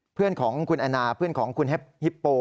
เพื่อนของคุณแอนนาเพื่อนของคุณฮิปโป